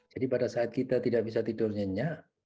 jadi pada saat kita tidak bisa tidurnya